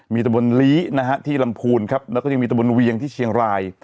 มีตะบนลีนะฮะที่ลำพูนครับแล้วก็ยังมีตะบนเวียงที่เชียงราย